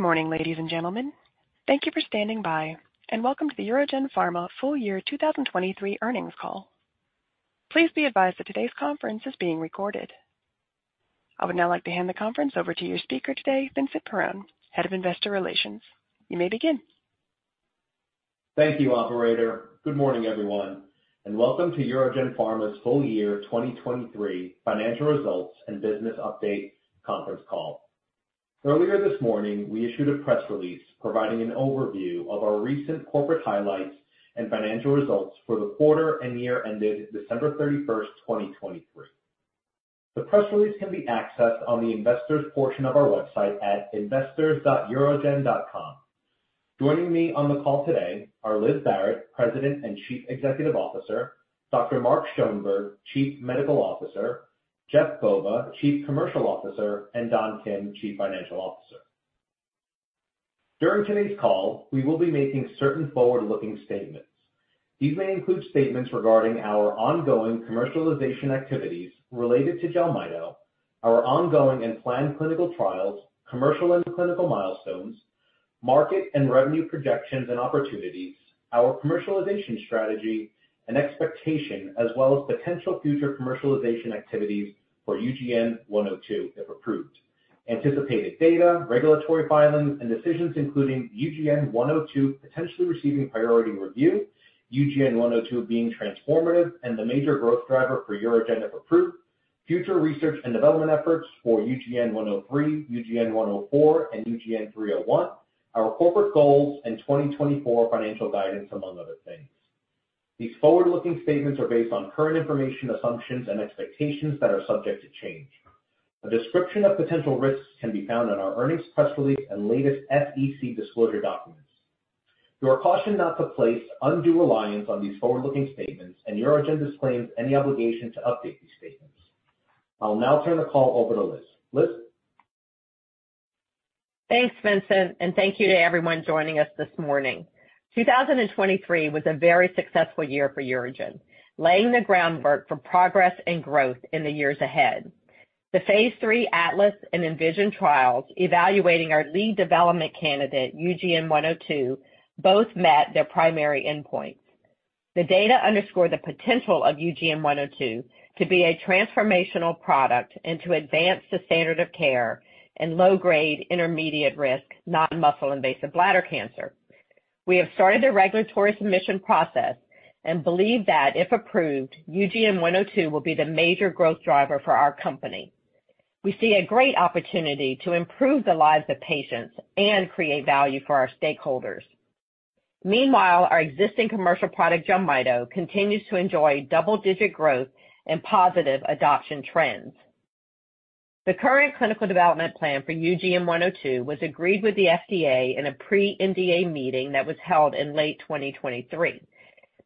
Good morning, ladies and gentlemen. Thank you for standing by, and welcome to the UroGen Pharma full-year 2023 Earnings Call. Please be advised that today's conference is being recorded. I would now like to hand the conference over to your speaker today, Vincent Perrone, Head of Investor Relations. You may begin. Thank you, operator. Good morning, everyone, and welcome to UroGen Pharma's full-year 2023 Financial Results and Business Update Conference Call. Earlier this morning, we issued a press release providing an overview of our recent corporate highlights and financial results for the quarter and year ended December 31, 2023. The press release can be accessed on the investors portion of our website at investors.urogen.com. Joining me on the call today are Liz Barrett, President and Chief Executive Officer, Dr. Mark Schoenberg, Chief Medical Officer, Jeff Bova, Chief Commercial Officer, and Don Kim, Chief Financial Officer. During today's call, we will be making certain forward-looking statements. These may include statements regarding our ongoing commercialization activities related to Jelmyto, our ongoing and planned clinical trials, commercial and clinical milestones, market and revenue projections and opportunities, our commercialization strategy and expectation, as well as potential future commercialization activities for UGN-102, if approved. Anticipated data, regulatory filings and decisions, including UGN-102, potentially receiving priority review, UGN-102 being transformative and the major growth driver for UroGen, if approved. Future research and development efforts for UGN-103, UGN-104, and UGN-301, our corporate goals and 2024 financial guidance, among other things. These forward-looking statements are based on current information, assumptions and expectations that are subject to change. A description of potential risks can be found in our earnings press release and latest SEC disclosure documents. You are cautioned not to place undue reliance on these forward-looking statements, and UroGen disclaims any obligation to update these statements. I'll now turn the call over to Liz. Liz? Thanks, Vincent, and thank you to everyone joining us this morning. 2023 was a very successful year for UroGen, laying the groundwork for progress and growth in the years ahead. Phase III ATLAS and ENVISION trials, evaluating our lead development candidate, UGN-102, both met their primary endpoints. The data underscore the potential of UGN-102 to be a transformational product and to advance the standard of care in low-grade, intermediate risk, non-muscle invasive bladder cancer. We have started the regulatory submission process and believe that, if approved, UGN-102 will be the major growth driver for our company. We see a great opportunity to improve the lives of patients and create value for our stakeholders. Meanwhile, our existing commercial product, Jelmyto, continues to enjoy double-digit growth and positive adoption trends. The current clinical development plan for UGN-102 was agreed with the FDA in a pre-NDA meeting that was held in late 2023.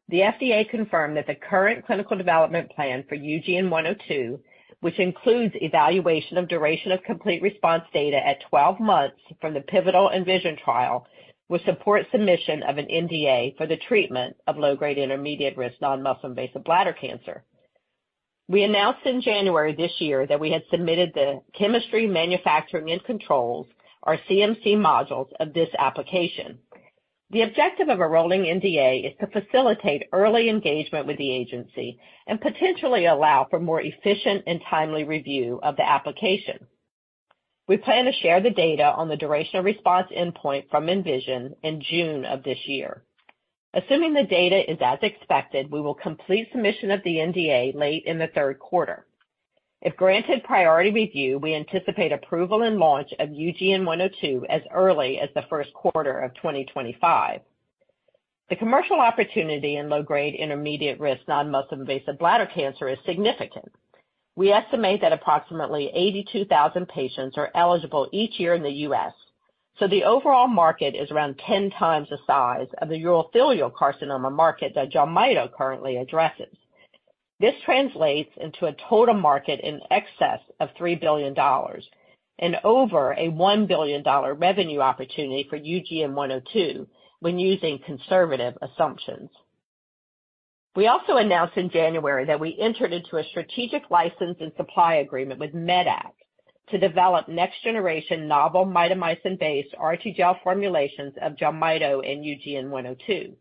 The FDA confirmed that the current clinical development plan for UGN-102, which includes evaluation of duration of complete response data at 12 months from the pivotal ENVISION trial, will support submission of an NDA for the treatment of low-grade intermediate-risk non-muscle invasive bladder cancer. We announced in January this year that we had submitted the Chemistry, Manufacturing and Controls, or CMC modules, of this application. The objective of a rolling NDA is to facilitate early engagement with the agency and potentially allow for more efficient and timely review of the application. We plan to share the data on the duration of response endpoint from ENVISION in June of this year. Assuming the data is as expected, we will complete submission of the NDA late in the third quarter. If granted priority review, we anticipate approval and launch of UGN-102 as early as the first quarter of 2025. The commercial opportunity in low-grade, intermediate risk non-muscle invasive bladder cancer is significant. We estimate that approximately 82,000 patients are eligible each year in the U.S., so the overall market is around 10 times the size of the urothelial carcinoma market that Jelmyto currently addresses. This translates into a total market in excess of $3 billion and over a $1 billion revenue opportunity for UGN-102 when using conservative assumptions. We also announced in January that we entered into a strategic license and supply agreement with medac to develop next-generation novel mitomycin-based RTGel formulations of Jelmyto and UGN-102.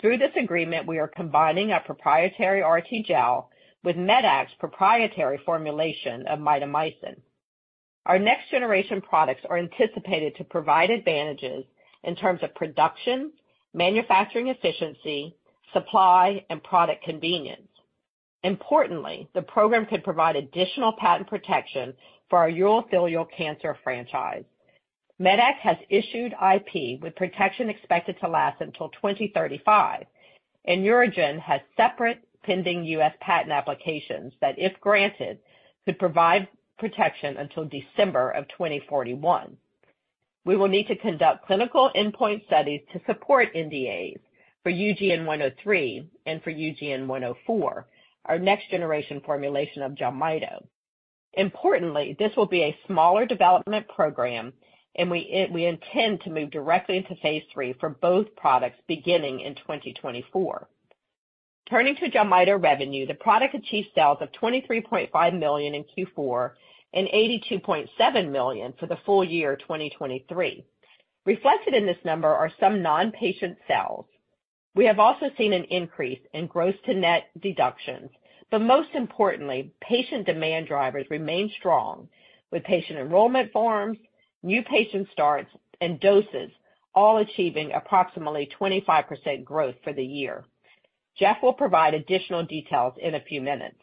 Through this agreement, we are combining our proprietary RTGel with medac's proprietary formulation of mitomycin. Our next-generation products are anticipated to provide advantages in terms of production, manufacturing efficiency, supply, and product convenience. Importantly, the program could provide additional patent protection for our urothelial cancer franchise. medac has issued IP, with protection expected to last until 2035, and UroGen has separate pending U.S. patent applications that, if granted, could provide protection until December of 2041. We will need to conduct clinical endpoint studies to support NDAs for UGN-103 and for UGN-104, our next-generation formulation of Jelmyto. Importantly, this will be a smaller development program and we intend to move directly Phase III for both products beginning in 2024. Turning to Jelmyto revenue, the product achieved sales of $23.5 million in Q4 and $82.7 million for the full-year 2023. Reflected in this number are some non-patient sales. We have also seen an increase in gross-to-net deductions, but most importantly, patient demand drivers remain strong, with patient enrollment forms, new patient starts, and doses all achieving approximately 25% growth for the year. Jeff will provide additional details in a few minutes.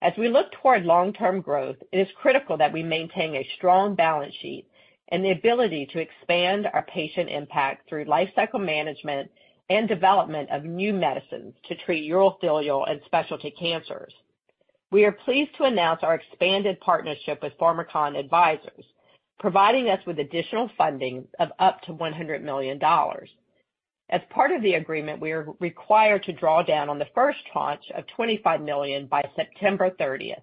As we look toward long-term growth, it is critical that we maintain a strong balance sheet and the ability to expand our patient impact through life cycle management and development of new medicines to treat urothelial and specialty cancers. We are pleased to announce our expanded partnership with Pharmakon Advisors, providing us with additional funding of up to $100 million. As part of the agreement, we are required to draw down on the first tranche of $25 million by September 30,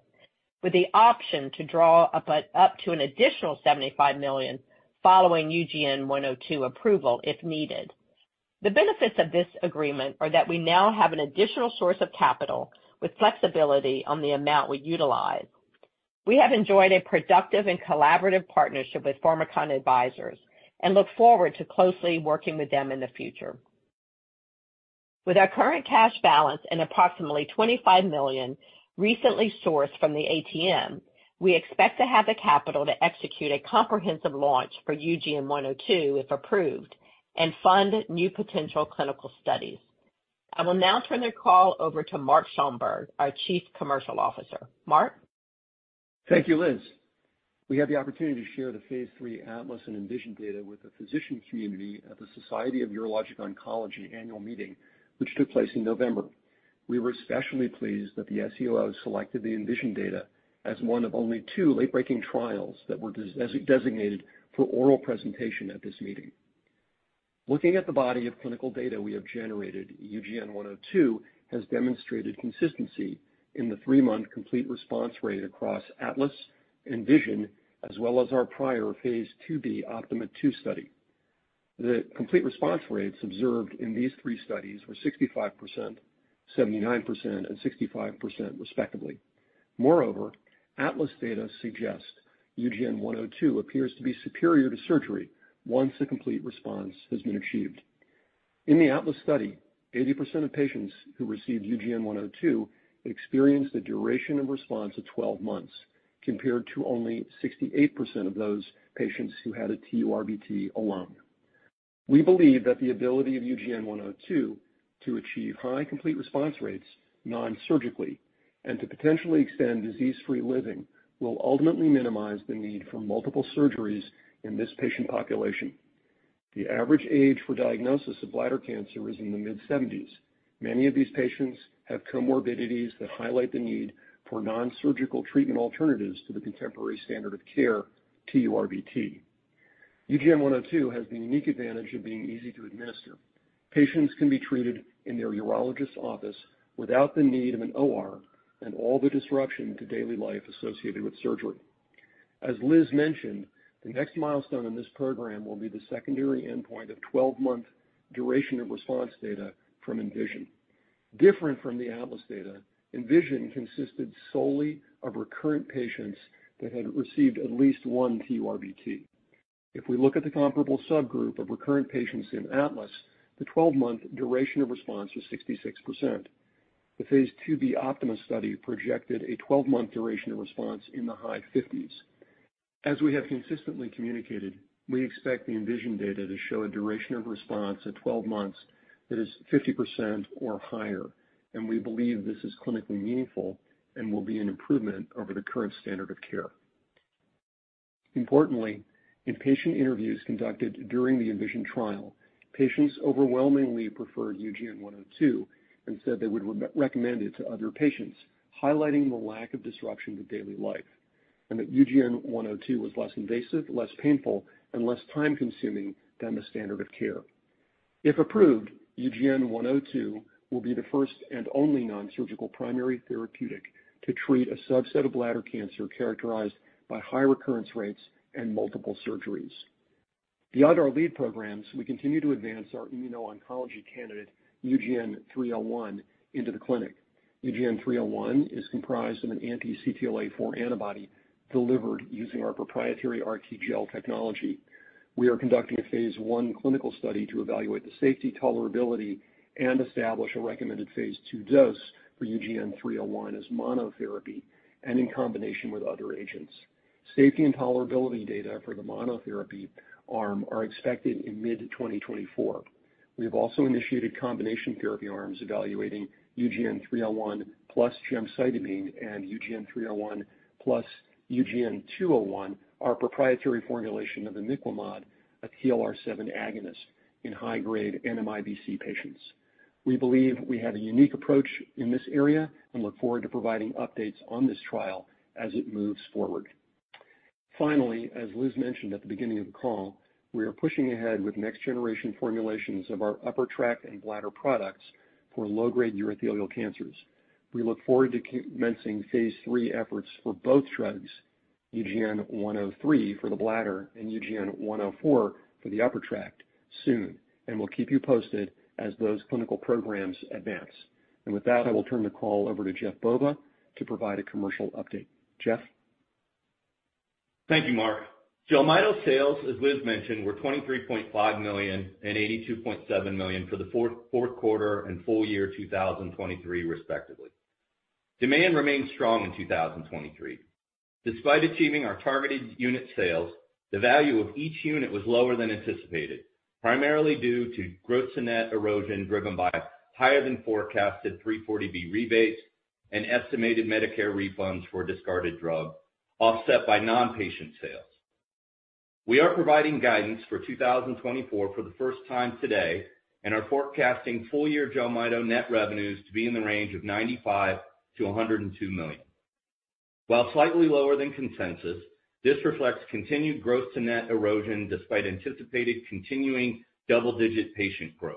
with the option to draw up to an additional $75 million following UGN-102 approval, if needed. The benefits of this agreement are that we now have an additional source of capital with flexibility on the amount we utilize. We have enjoyed a productive and collaborative partnership with Pharmakon Advisors and look forward to closely working with them in the future. With our current cash balance and approximately $25 million recently sourced from the ATM, we expect to have the capital to execute a comprehensive launch for UGN-102, if approved, and fund new potential clinical studies. I will now turn the call over to Mark Schoenberg, our Chief Medical Officer. Mark? Thank you, Liz. We had the opportunity to share Phase III ATLAS and ENVISION data with the physician community at the Society of Urologic Oncology annual meeting, which took place in November. We were especially pleased that the SUO selected the ENVISION data as one of only two late-breaking trials that were designated for oral presentation at this meeting. Looking at the body of clinical data we have generated, UGN-102 has demonstrated consistency in the three-month complete response rate across ATLAS, ENVISION, as well as our prior Phase IIb OPTIMA II study. The complete response rates observed in these three studies were 65%, 79%, and 65%, respectively. Moreover, ATLAS data suggest UGN-102 appears to be superior to surgery once a complete response has been achieved. In the ATLAS study, 80% of patients who received UGN-102 experienced a duration of response of 12 months, compared to only 68% of those patients who had a TURBT alone. We believe that the ability of UGN-102 to achieve high complete response rates non-surgically and to potentially extend disease-free living will ultimately minimize the need for multiple surgeries in this patient population. The average age for diagnosis of bladder cancer is in the mid-70s. Many of these patients have comorbidities that highlight the need for non-surgical treatment alternatives to the contemporary standard of care, TURBT. UGN-102 has the unique advantage of being easy to administer. Patients can be treated in their urologist's office without the need of an OR and all the disruption to daily life associated with surgery. As Liz mentioned, the next milestone in this program will be the secondary endpoint of 12-month duration of response data from ENVISION. Different from the ATLAS data, ENVISION consisted solely of recurrent patients that had received at least one TURBT. If we look at the comparable subgroup of recurrent patients in ATLAS, the 12-month duration of response is 66%. The Phase IIb OPTIMA study projected a 12-month duration of response in the high 50s. As we have consistently communicated, we expect the ENVISION data to show a duration of response at 12 months that is 50% or higher, and we believe this is clinically meaningful and will be an improvement over the current standard of care. Importantly, in patient interviews conducted during the ENVISION trial, patients overwhelmingly preferred UGN-102 and said they would recommend it to other patients, highlighting the lack of disruption to daily life, and that UGN-102 was less invasive, less painful, and less time-consuming than the standard of care. If approved, UGN-102 will be the first and only non-surgical primary therapeutic to treat a subset of bladder cancer characterized by high recurrence rates and multiple surgeries. Beyond our lead programs, we continue to advance our immuno-oncology candidate, UGN-301, into the clinic. UGN-301 is comprised of an anti-CTLA-4 antibody delivered using our proprietary RTGel technology. We are conducting a Phase I clinical study to evaluate the safety, tolerability, and establish a recommended Phase II dose for UGN-301 as monotherapy and in combination with other agents. Safety and tolerability data for the monotherapy arm are expected in mid-2024. We have also initiated combination therapy arms evaluating UGN-301 plus gemcitabine and UGN-301 plus UGN-201, our proprietary formulation of an imiquimod, a TLR7 agonist in high-grade NMIBC patients. We believe we have a unique approach in this area and look forward to providing updates on this trial as it moves forward. Finally, as Liz mentioned at the beginning of the call, we are pushing ahead with next-generation formulations of our upper tract and bladder products for low-grade urothelial cancers. We look forward to Phase III efforts for both drugs... UGN-103 for the bladder and UGN-104 for the upper tract soon, and we'll keep you posted as those clinical programs advance. With that, I will turn the call over to Jeff Bova to provide a commercial update. Jeff? Thank you, Mark. Jelmyto sales, as Liz mentioned, were $23.5 million and $82.7 million for the fourth quarter and full-year 2023, respectively. Demand remained strong in 2023. Despite achieving our targeted unit sales, the value of each unit was lower than anticipated, primarily due to gross-to-net erosion, driven by higher than forecasted 340B rebates and estimated Medicare refunds for discarded drug, offset by non-patient sales. We are providing guidance for 2024 for the first time today and are forecasting full-year Jelmyto net revenues to be in the range of $95 million-$102 million. While slightly lower than consensus, this reflects continued gross-to-net erosion, despite anticipated continuing double-digit patient growth.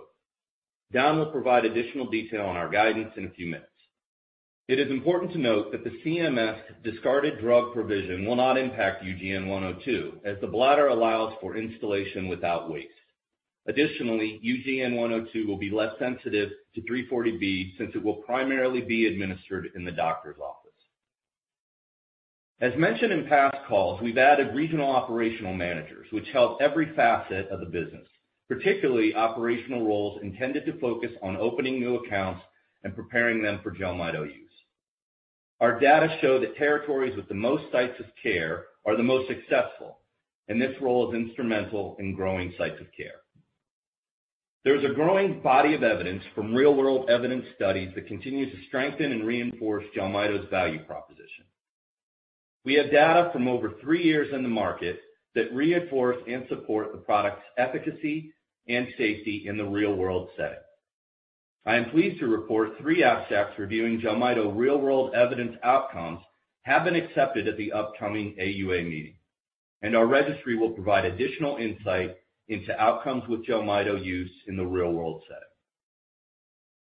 Don will provide additional detail on our guidance in a few minutes. It is important to note that the CMS discarded drug provision will not impact UGN-102, as the bladder allows for instillation without waste. Additionally, UGN-102 will be less sensitive to 340B, since it will primarily be administered in the doctor's office. As mentioned in past calls, we've added regional operational managers, which help every facet of the business, particularly operational roles intended to focus on opening new accounts and preparing them for Jelmyto use. Our data show that territories with the most sites of care are the most successful, and this role is instrumental in growing sites of care. There is a growing body of evidence from real-world evidence studies that continues to strengthen and reinforce Jelmyto's value proposition. We have data from over three years in the market that reinforce and support the product's efficacy and safety in the real-world setting. I am pleased to report three abstracts reviewing Jelmyto real-world evidence outcomes have been accepted at the upcoming AUA meeting, and our registry will provide additional insight into outcomes with Jelmyto use in the real-world setting.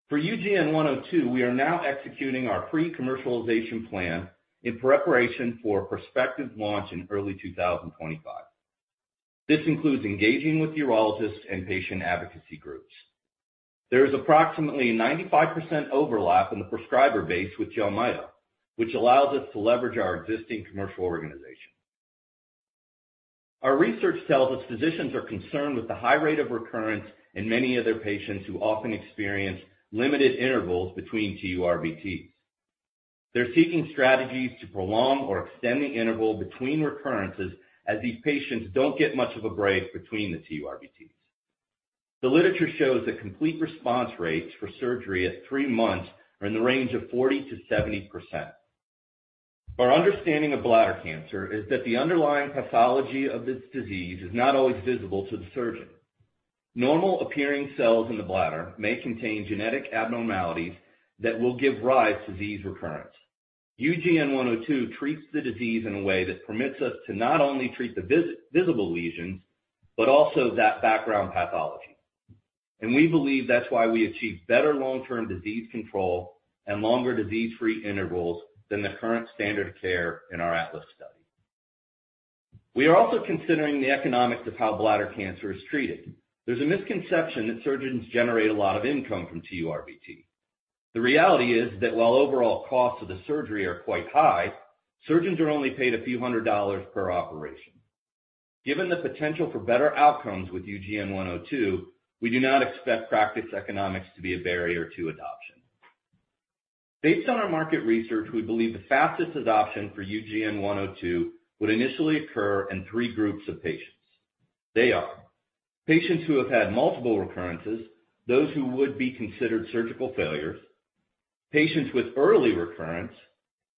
For UGN-102, we are now executing our pre-commercialization plan in preparation for prospective launch in early 2025. This includes engaging with urologists and patient advocacy groups. There is approximately 95% overlap in the prescriber base with Jelmyto, which allows us to leverage our existing commercial organization. Our research tells us physicians are concerned with the high rate of recurrence in many of their patients who often experience limited intervals between TURBTs. They're seeking strategies to prolong or extend the interval between recurrences, as these patients don't get much of a break between the TURBTs. The literature shows that complete response rates for surgery at three months are in the range of 40%-70%. Our understanding of bladder cancer is that the underlying pathology of this disease is not always visible to the surgeon. Normal appearing cells in the bladder may contain genetic abnormalities that will give rise to disease recurrence. UGN-102 treats the disease in a way that permits us to not only treat the visible lesions, but also that background pathology. And we believe that's why we achieve better long-term disease control and longer disease-free intervals than the current standard of care in our ATLAS study. We are also considering the economics of how bladder cancer is treated. There's a misconception that surgeons generate a lot of income from TURBT. The reality is that while overall costs of the surgery are quite high, surgeons are only paid a few hundred dollars per operation. Given the potential for better outcomes with UGN-102, we do not expect practice economics to be a barrier to adoption. Based on our market research, we believe the fastest adoption for UGN-102 would initially occur in three groups of patients. They are: patients who have had multiple recurrences, those who would be considered surgical failures, patients with early recurrence,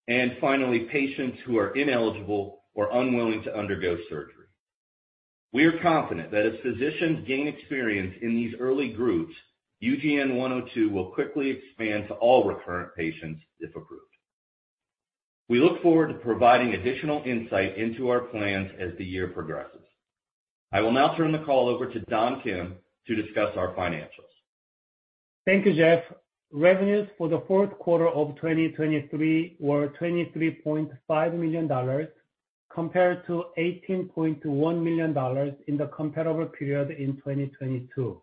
and finally, patients who are ineligible or unwilling to undergo surgery. We are confident that as physicians gain experience in these early groups, UGN-102 will quickly expand to all recurrent patients if approved. We look forward to providing additional insight into our plans as the year progresses. I will now turn the call over to Don Kim to discuss our financials. Thank you, Jeff. Revenues for the fourth quarter of 2023 were $23.5 million, compared to $18.1 million in the comparable period in 2022.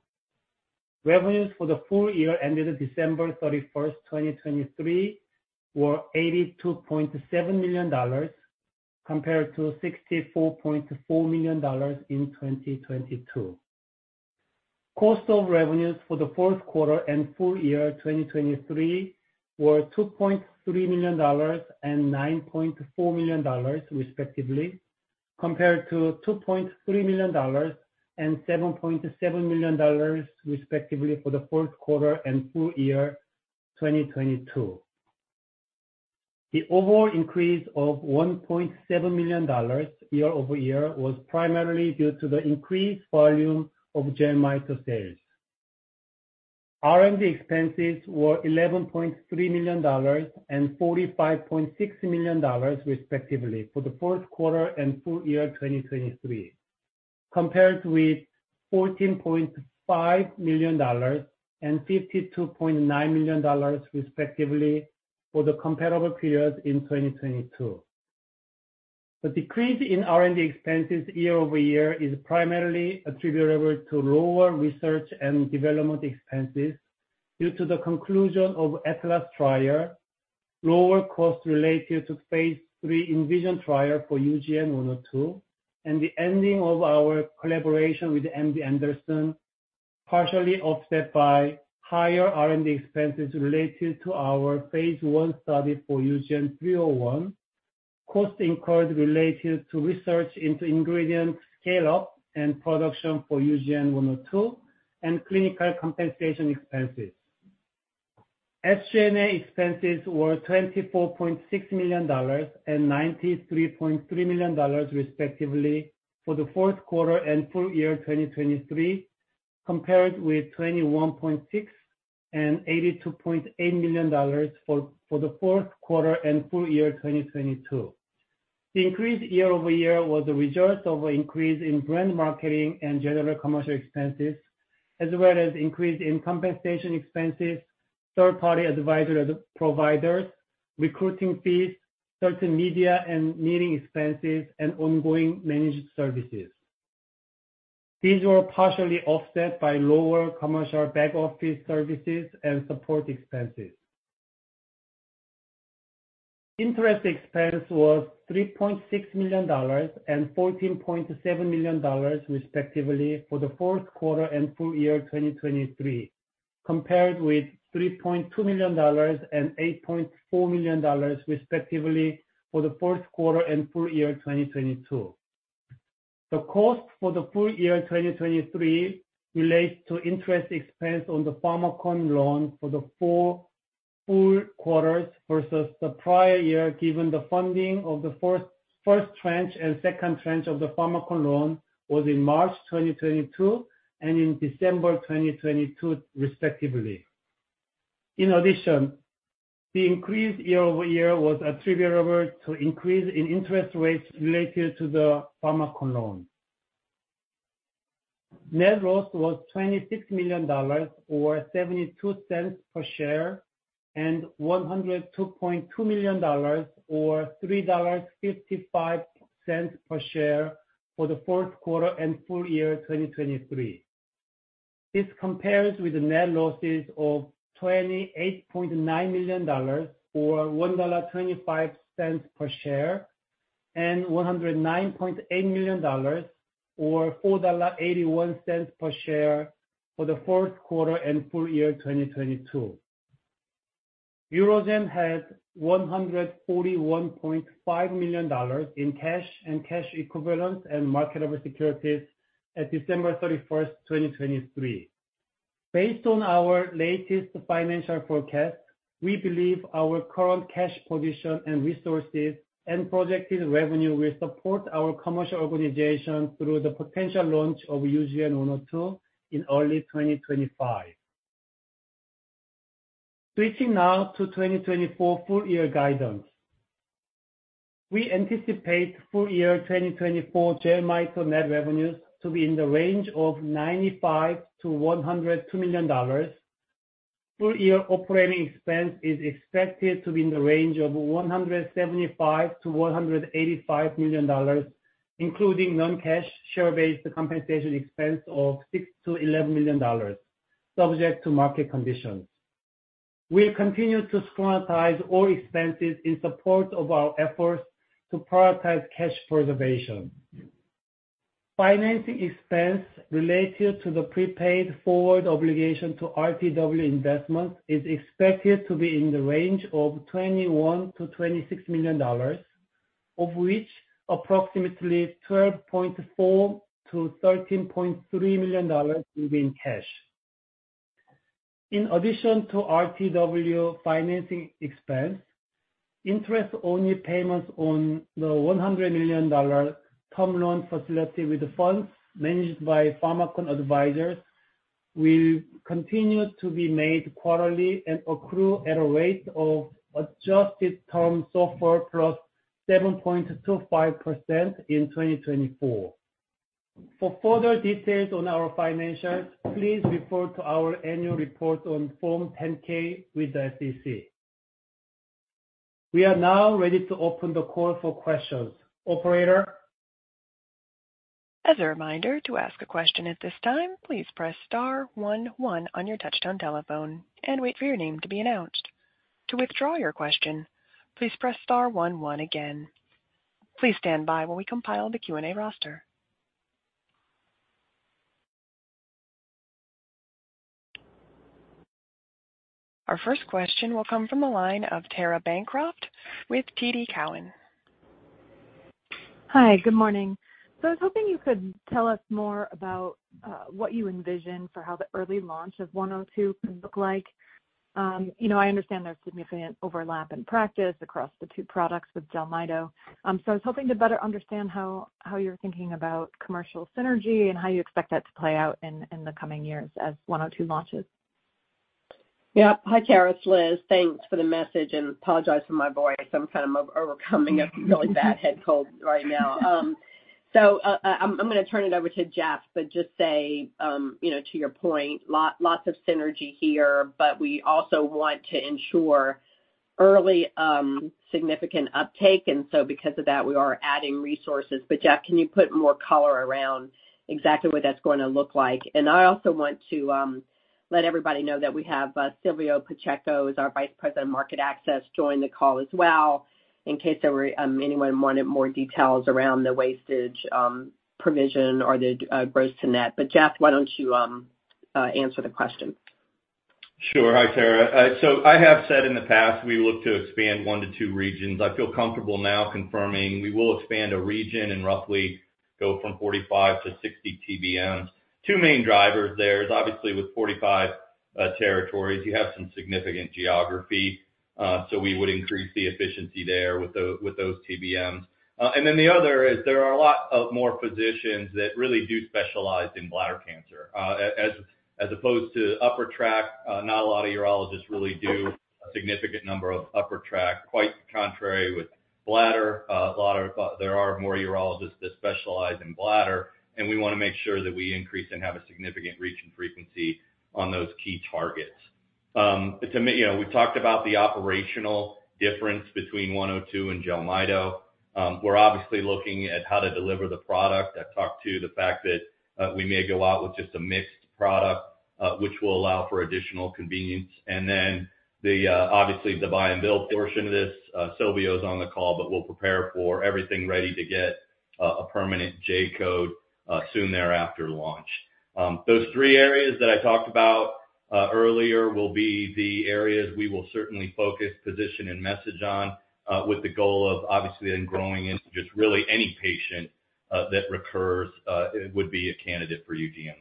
Revenues for the full-year ended December 31, 2023, were $82.7 million, compared to $64.4 million in 2022. Cost of revenues for the fourth quarter and full-year 2023 were $2.3 million and $9.4 million, respectively, compared to $2.3 million and $7.7 million, respectively, for the fourth quarter and full-year 2022. The overall increase of $1.7 million year-over-year was primarily due to the increased volume of Jelmyto sales. R&D expenses were $11.3 million and $45.6 million, respectively, for the fourth quarter and full-year 2023, compared with $14.5 million and $52.9 million, respectively, for the comparable period in 2022. The decrease in R&D expenses year-over-year is primarily attributable to lower research and development expenses due to the conclusion of ATLAS trial, lower costs related Phase III ENVISION trial for UGN-102, and the ending of our collaboration with MD Anderson, partially offset by higher R&D expenses related to our Phase I study for UGN-301, costs incurred related to research into ingredient scale-up and production for UGN-102, and clinical compensation expenses. SG&A expenses were $24.6 million and $93.3 million, respectively, for the fourth quarter and full-year 2023, compared with $21.6 and $82.8 million for the fourth quarter and full-year 2022. The increase year-over-year was a result of an increase in brand marketing and general commercial expenses, as well as increase in compensation expenses, third-party advisory providers, recruiting fees, certain media and meeting expenses, and ongoing managed services. These were partially offset by lower commercial back-office services and support expenses. Interest expense was $3.6 million and $14.7 million, respectively, for the fourth quarter and full-year 2023, compared with $3.2 million and $8.4 million, respectively, for the fourth quarter and full-year 2022. The cost for the full-year 2023 relates to interest expense on the Pharmakon loan for the four full quarters versus the prior-year, given the funding of the first tranche and second tranche of the Pharmakon loan was in March 2022, and in December 2022, respectively. In addition, the increase year-over-year was attributable to increase in interest rates related to the Pharmakon loan. Net loss was $26 million, or $0.72 per share, and $102.2 million, or $3.55 per share, for the fourth quarter and full-year 2023. This compares with the net losses of $28.9 million, or $1.25 per share, and $109.8 million, or $4.81 per share, for the fourth quarter and full-year 2022. UroGen had $141.5 million in cash and cash equivalents and marketable securities at December 31, 2023. Based on our latest financial forecast, we believe our current cash position and resources and projected revenue will support our commercial organization through the potential launch of UGN-102 in early 2025. Switching now to 2024 full-year guidance. We anticipate full-year 2024 Jelmyto net revenues to be in the range of $95-$102 million. full-year operating expense is expected to be in the range of $175-$185 million, including non-cash share-based compensation expense of $6-$11 million, subject to market conditions. We'll continue to scrutinize all expenses in support of our efforts to prioritize cash preservation. Financing expense related to the prepaid forward obligation to RTW Investments is expected to be in the range of $21-$26 million, of which approximately $12.4-$13.3 million will be in cash. In addition to RTW financing expense, interest-only payments on the $100 million term loan facility with the funds managed by Pharmakon Advisors will continue to be made quarterly and accrue at a rate of adjusted Term SOFR +7.25% in 2024. For further details on our financials, please refer to our annual report on Form 10-K with the SEC. We are now ready to open the call for questions. Operator? As a reminder, to ask a question at this time, please press star one, one on your touchtone telephone and wait for your name to be announced. To withdraw your question, please press star one, one again. Please stand by while we compile the Q&A roster. Our first question will come from the line of Tara Bancroft with TD Cowen. Hi, good morning. So I was hoping you could tell us more about what you envision for how the early launch of 102 can look like. You know, I understand there's significant overlap in practice across the two products with Jelmyto. So I was hoping to better understand how you're thinking about commercial synergy and how you expect that to play out in the coming years as 102 launches. Yep. Hi, Tara, it's Liz. Thanks for the message, and apologize for my voice. I'm kind of overcoming a really bad head cold right now. So, I'm gonna turn it over to Jeff, but just say, you know, to your point, lots of synergy here, but we also want to ensure early, significant uptake, and so because of that, we are adding resources. But Jeff, can you put more color around exactly what that's going to look like? And I also want to let everybody know that we have Silvio Pacheco, our Vice President of Market Access, join the call as well, in case there were anyone wanted more details around the wastage provision or the gross-to-net. But Jeff, why don't you answer the question? Sure. Hi, Tara. So I have said in the past, we look to expand 1-2 regions. I feel comfortable now confirming we will expand a region and roughly go from 45-60 TBMs. Two main drivers there is obviously with 45 territories, you have some significant geography, so we would increase the efficiency there with those TBMs. And then the other is there are a lot of more physicians that really do specialize in bladder cancer. As opposed to upper tract, not a lot of urologists really do a significant number of upper tract, quite contrary with bladder. A lot of, there are more urologists that specialize in bladder, and we wanna make sure that we increase and have a significant reach and frequency on those key targets. To me, you know, we talked about the operational difference between UGN-102 and Jelmyto. We're obviously looking at how to deliver the product. I've talked to the fact that we may go out with just a mixed product, which will allow for additional convenience. And then, obviously, the buy and bill portion of this, Silvio is on the call, but we'll prepare for everything ready to get a permanent J-code soon thereafter launch. Those three areas that I talked about earlier will be the areas we will certainly focus, position, and message on with the goal of obviously then growing into just really any patient that recurs would be a candidate for UGN-102.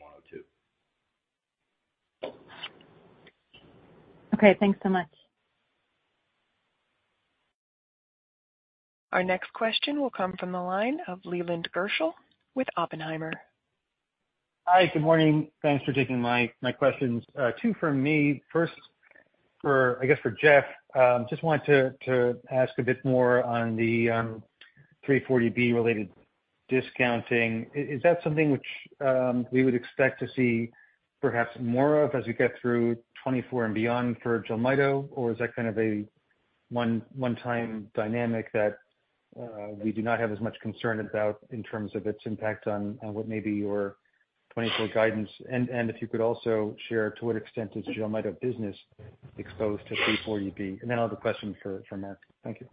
Okay, thanks so much. Our next question will come from the line of Leland Gerschel with Oppenheimer. Hi, good morning. Thanks for taking my questions. Two from me. First, I guess, for Jeff, just wanted to ask a bit more on the 340B related discounting. Is that something which we would expect to see perhaps more of as we get through 2024 and beyond for Jelmyto? Or is that kind of a one-time dynamic that we do not have as much concern about in terms of its impact on what may be your 2024 guidance? And if you could also share to what extent is Jelmyto business exposed to 340B? And then I'll have a question for Mark. Thank you.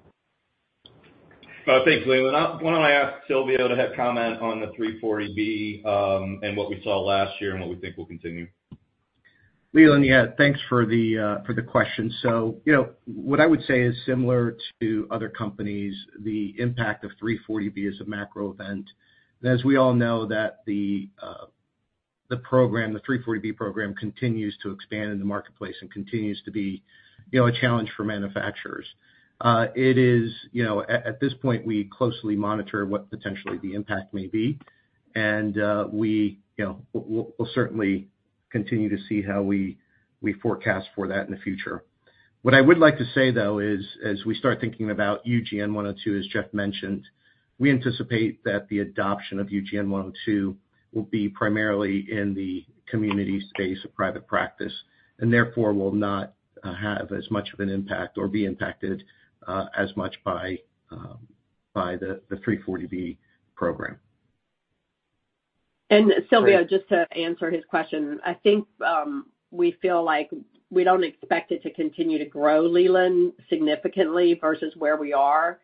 Thanks, Leland. Why don't I ask Silvio to have comment on the 340B, and what we saw last year and what we think will continue? Leland, yeah, thanks for the question. So, you know, what I would say is similar to other companies, the impact of 340B is a macro event. As we all know that the program, the 340B program, continues to expand in the marketplace and continues to be, you know, a challenge for manufacturers. It is, you know, at this point, we closely monitor what potentially the impact may be, and we, you know, we'll certainly continue to see how we forecast for that in the future. What I would like to say, though, is as we start thinking about UGN 102, as Jeff mentioned, we anticipate that the adoption of UGN 102 will be primarily in the community space of private practice, and therefore will not have as much of an impact or be impacted as much by the 340B program. And Silvio, just to answer his question, I think, we feel like we don't expect it to continue to grow, Leland, significantly versus where we are.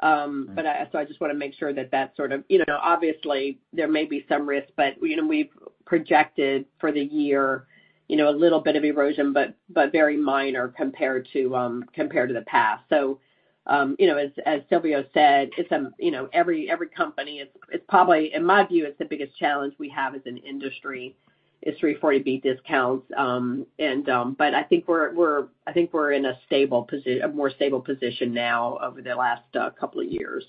But I, so I just wanna make sure that that's sort of. You know, obviously, there may be some risk, but, you know, we've projected for the year, you know, a little bit of erosion, but, but very minor compared to, compared to the past. So, you know, as, as Silvio said, it's, you know, every, every company, it's, it's probably, in my view, it's the biggest challenge we have as an industry, is 340B discounts. And, but I think we're, we're- I think we're in a stable posi- a more stable position now over the last, couple of years.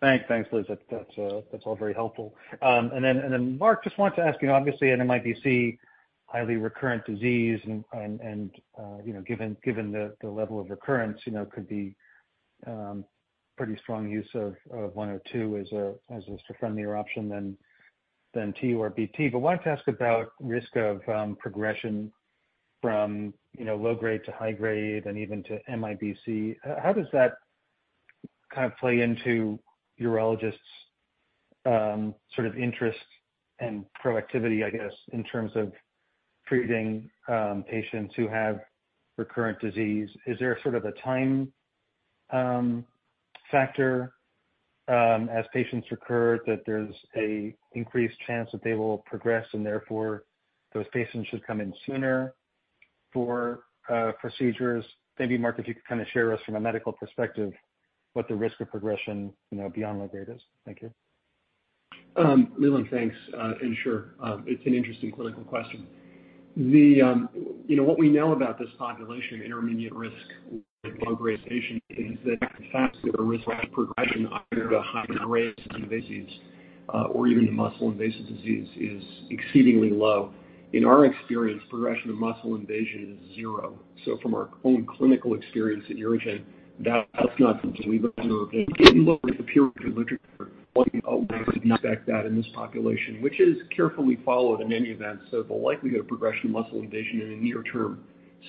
Thanks. Thanks, Liz. That's all very helpful. And then, Mark, just wanted to ask, you know, obviously, NMIBC, highly recurrent disease, and, you know, given the level of recurrence, you know, could be pretty strong use of 102 as a friendlier option than TURBT. But wanted to ask about risk of progression from, you know, low grade to high grade and even to MIBC. How does that kind of play into urologists' sort of interest and proactivity, I guess, in terms of treating patients who have recurrent disease? Is there sort of a time factor as patients recur, that there's a increased chance that they will progress, and therefore, those patients should come in sooner for procedures? Maybe Mark, if you could kind of share with us from a medical perspective what the risk of progression, you know, beyond low-grade, is? Thank you. Leland, thanks, and sure. It's an interesting clinical question. The, you know, what we know about this population, intermediate risk, low-grade patient, is that the fact that the risk of progression under the high-grade disease-... or even the muscle invasive disease is exceedingly low. In our experience, progression to muscle invasion is zero. So from our own clinical experience at UroGen, that's not something we've observed. And if you look at the peer-reviewed literature, one would expect that in this population, which is carefully followed in any event. So the likelihood of progression to muscle invasion in a near-term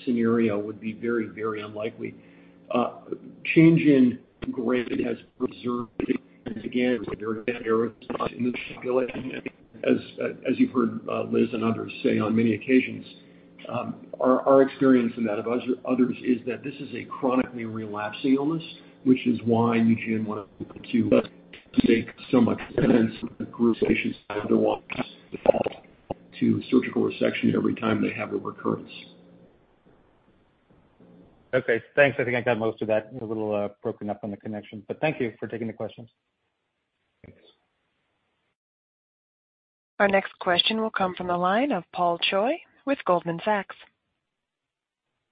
scenario would be very, very unlikely. Change in grade has observed, again, it was a very narrow in this population. As you've heard, Liz and others say on many occasions, our experience and that of others is that this is a chronically relapsing illness, which is why UGN-102 makes so much sense for the group of patients who otherwise default to surgical resection every time they have a recurrence. Okay, thanks. I think I got most of that, a little, broken up on the connection, but thank you for taking the questions. Thanks. Our next question will come from the line of Paul Choi with Goldman Sachs.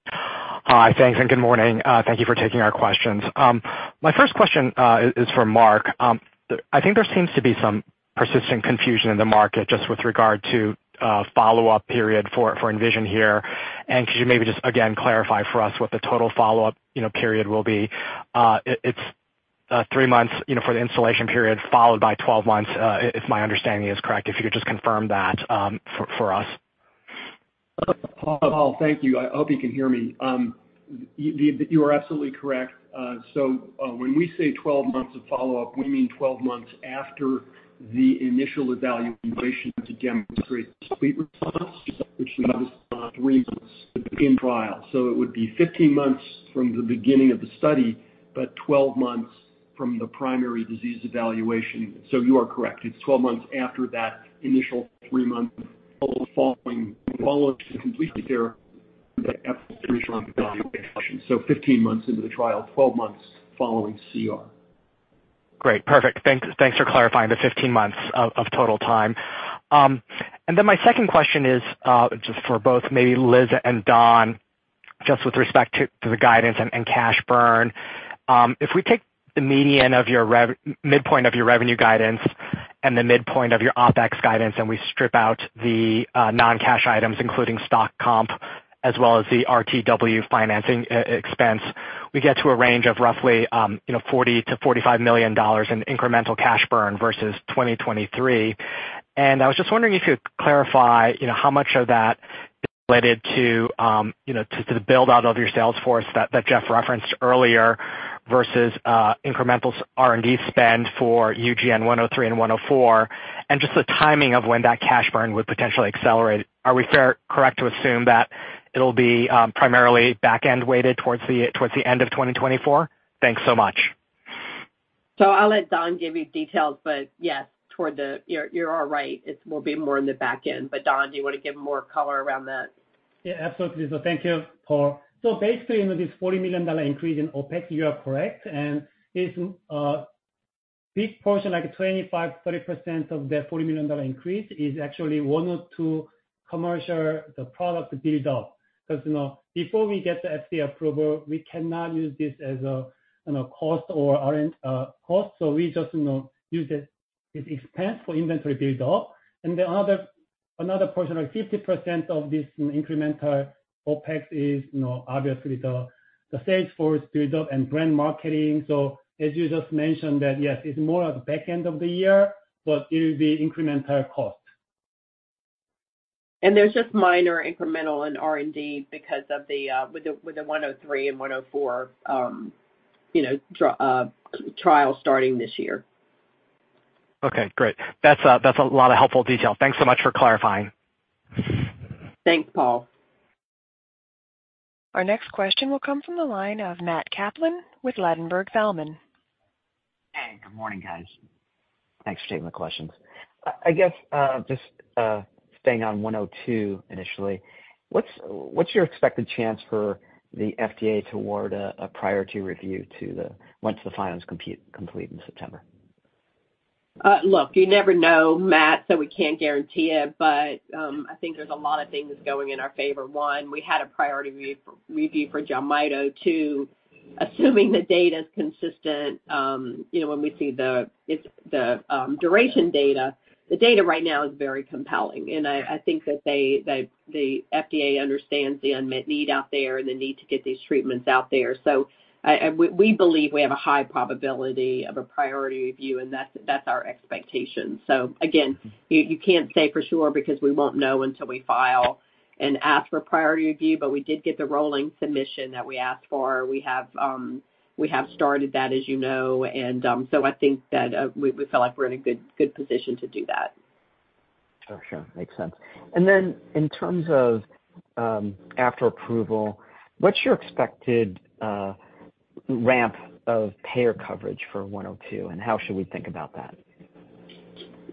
Hi, thanks, and good morning. Thank you for taking our questions. My first question is for Mark. I think there seems to be some persistent confusion in the market just with regard to follow-up period for ENVISION here. And could you maybe just, again, clarify for us what the total follow-up, you know, period will be? It's three months, you know, for the installation period, followed by 12 months, if my understanding is correct, if you could just confirm that for us. Paul, thank you. I hope you can hear me. You are absolutely correct. So, when we say 12 months of follow-up, we mean 12 months after the initial evaluation to demonstrate complete response, which was three months in trial. So it would be 15 months from the beginning of the study, but 12 months from the primary disease evaluation. So you are correct. It's 12 months after that initial three-month follow-up to complete the therapy, that initial evaluation. So 15 months into the trial, 12 months following CR. Great, perfect. Thanks, thanks for clarifying the 15 months of total time. And then my second question is, just for both maybe Liz and Don, just with respect to the guidance and cash burn. If we take the midpoint of your revenue guidance and the midpoint of your OpEx guidance, and we strip out the non-cash items, including stock comp as well as the RTW financing expense, we get to a range of roughly, you know, $40 million-$45 million in incremental cash burn versus 2023. I was just wondering if you could clarify, you know, how much of that is related to, you know, to the build-out of your sales force that Jeff referenced earlier, versus incremental R&D spend for UGN-103 and UGN-104, and just the timing of when that cash burn would potentially accelerate. Are we correct to assume that it'll be primarily back-end weighted towards the end of 2024? Thanks so much. So I'll let Don give you details, but yes, toward the... You're, you're all right. It will be more in the back end. But Don, do you want to give more color around that? Yeah, absolutely. So thank you, Paul. So basically, you know, this $40 million increase in OpEx, you are correct. And this big portion, like 25%-30% of the $40 million increase, is actually 102 commercial, the product build-up. Because, you know, before we get the FDA approval, we cannot use this as a, you know, cost or R&D cost. So we just, you know, use it as expense for inventory build-up. And the other, another portion, like 50% of this incremental OpEx is, you know, obviously the sales force build-up and brand marketing. So as you just mentioned, that yes, it's more at the back end of the year, but it will be incremental cost. And there's just minor incremental in R&D because of the 103 and 104, you know, trial starting this year. Okay, great. That's a lot of helpful detail. Thanks so much for clarifying. Thanks, Paul. Our next question will come from the line of Matt Kaplan with Ladenburg Thalmann. Hey, good morning, guys. Thanks for taking the questions. I guess just staying on 102 initially, what's your expected chance for the FDA to award a priority review once the filing is complete in September? Look, you never know, Matt, so we can't guarantee it. But I think there's a lot of things going in our favor. One, we had a priority review for Jelmyto. Two, assuming the data is consistent, you know, when we see the duration data, the data right now is very compelling. And I think that the FDA understands the unmet need out there and the need to get these treatments out there. So we believe we have a high probability of a priority review, and that's our expectation. So again, you can't say for sure because we won't know until we file and ask for priority review, but we did get the rolling submission that we asked for. We have, we have started that, as you know, and, so I think that, we, we feel like we're in a good, good position to do that. For sure. Makes sense. And then in terms of, after approval, what's your expected, ramp of payer coverage for 102, and how should we think about that?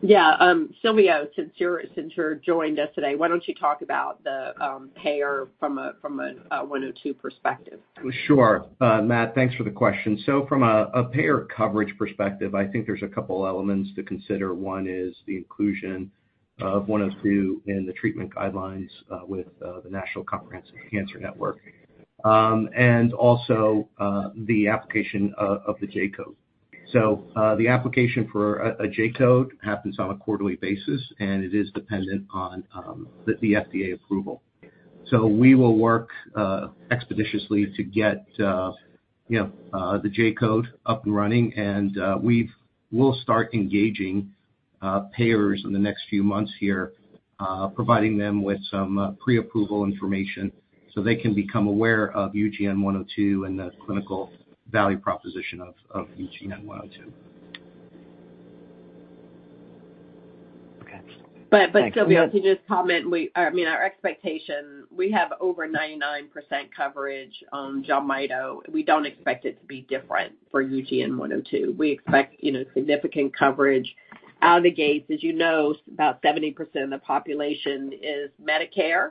Yeah, Silvio, since you've joined us today, why don't you talk about the payer from a 102 perspective? Sure, Matt, thanks for the question. So from a payer coverage perspective, I think there's a couple elements to consider. One is the inclusion of 102 in the treatment guidelines, with the National Comprehensive Cancer Network.... and also, the application of the J-code. So, the application for a J-code happens on a quarterly basis, and it is dependent on the FDA approval. So we will work expeditiously to get, you know, the J-code up and running, and we'll start engaging payers in the next few months here, providing them with some pre-approval information so they can become aware of UGN-102 and the clinical value proposition of UGN-102. Okay. But Sylvia, to just comment, we—I mean, our expectation, we have over 99% coverage on Jelmyto. We don't expect it to be different for UGN-102. We expect, you know, significant coverage out of the gates. As you know, about 70% of the population is Medicare,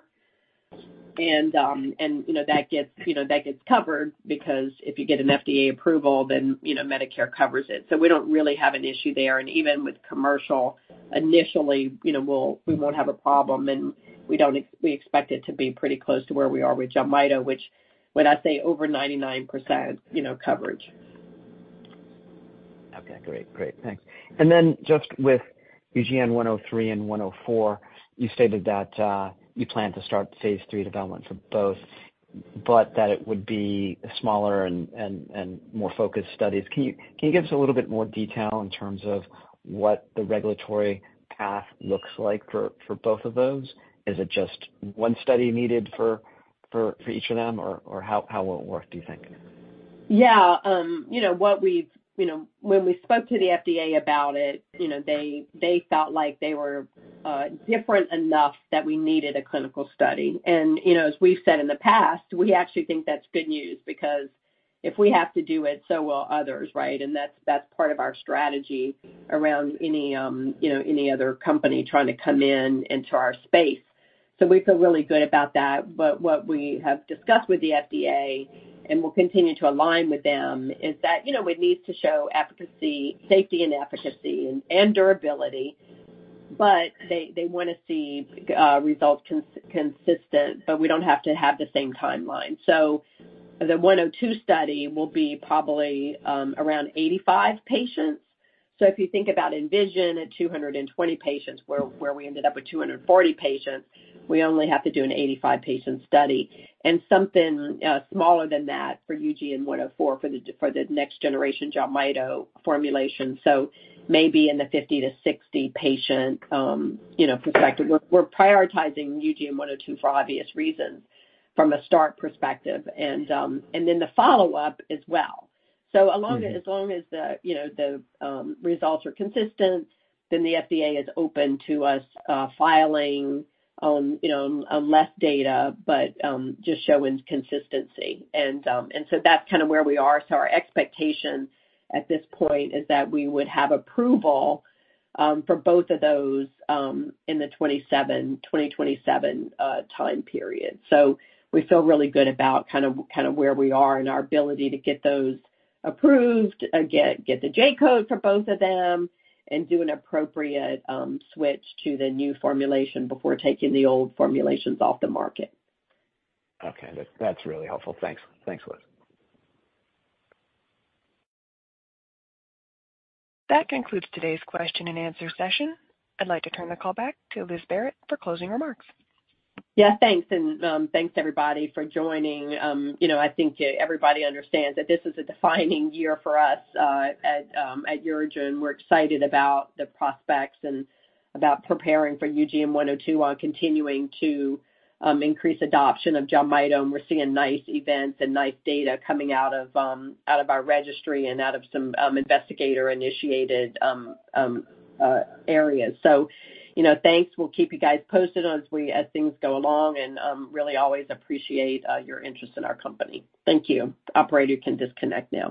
and, and, you know, that gets, you know, that gets covered because if you get an FDA approval, then, you know, Medicare covers it. So we don't really have an issue there. And even with commercial, initially, you know, we'll, we won't have a problem, and we expect it to be pretty close to where we are with Jelmyto, which when I say over 99%, you know, coverage. Okay, great. Great, thanks. And then just with UGN-103 and 104, you stated that you plan to Phase III development for both, but that it would be smaller and more focused studies. Can you give us a little bit more detail in terms of what the regulatory path looks like for both of those? Is it just one study needed for each of them or how will it work, do you think? You know, when we spoke to the FDA about it, you know, they, they felt like they were different enough that we needed a clinical study. And, you know, as we've said in the past, we actually think that's good news because if we have to do it, so will others, right? And that's, that's part of our strategy around any, you know, any other company trying to come into our space. So we feel really good about that. But what we have discussed with the FDA, and we'll continue to align with them, is that, you know, it needs to show efficacy, safety and efficacy and durability, but they, they wanna see results consistent, but we don't have to have the same timeline. So the 102 study will be probably around 85 patients. So if you think about ENVISION at 220 patients, where we ended up with 240 patients, we only have to do an 85-patient study. And something smaller than that for UGN-104 for the next generation Jelmyto formulation, so maybe in the 50-60 patient, you know, perspective. We're prioritizing UGN-102 for obvious reasons from a start perspective, and then the follow-up as well. So along- Mm-hmm.... as long as the, you know, the results are consistent, then the FDA is open to us filing, you know, less data, but just showing consistency. And and so that's kind of where we are. So our expectation at this point is that we would have approval for both of those in the 2027 time period. So we feel really good about kind of, kind of where we are and our ability to get those approved, get the J-code for both of them, and do an appropriate switch to the new formulation before taking the old formulations off the market. Okay, that's, that's really helpful. Thanks. Thanks, Liz. That concludes today's question and answer session. I'd like to turn the call back to Liz Barrett for closing remarks. Yeah, thanks, and, thanks, everybody, for joining. You know, I think everybody understands that this is a defining year for us, at, at UroGen. We're excited about the prospects and about preparing for UGN-102 while continuing to, increase adoption of Jelmyto. And we're seeing nice events and nice data coming out of, out of our registry and out of some, investigator-initiated, areas. So you know, thanks. We'll keep you guys posted as we-- as things go along and, really always appreciate, your interest in our company. Thank you. Operator, you can disconnect now.